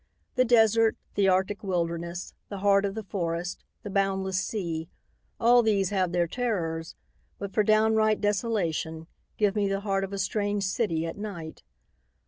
The desert, the Arctic wilderness, the heart of the forest, the boundless sea, all these have their terrors, but for downright desolation give me the heart of a strange city at night.